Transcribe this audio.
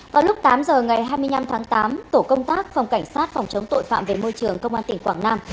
vào lúc tám giờ ngày hai mươi năm tháng tám tổ công tác phòng cảnh sát phòng chống tội phạm về môi trường công an tỉnh quảng nam